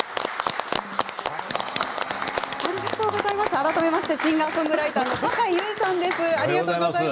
改めましてシンガーソングライターのさかいゆうさんです。